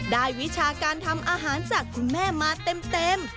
วิชาการทำอาหารจากคุณแม่มาเต็ม